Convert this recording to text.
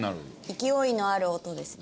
勢いのある音ですね。